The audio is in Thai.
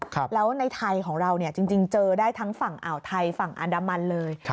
แล้วในไทยของเราเนี่ยจริงเจอได้ทั้งฝั่งอ่าวไทยฝั่งอันดามันเลย